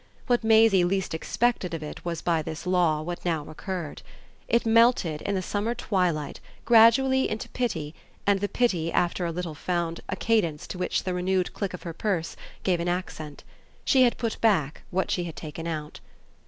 What Maisie least expected of it was by this law what now occurred. It melted, in the summer twilight, gradually into pity, and the pity after a little found a cadence to which the renewed click of her purse gave an accent. She had put back what she had taken out.